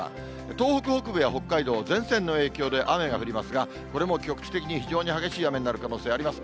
東北北部や北海道は前線の影響で雨が降りますが、これも局地的に非常に激しい雨になる可能性あります。